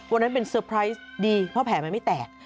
วันนั้นเป็นเซอร์ไพรส์ดีเพราะแผลมันไม่แตก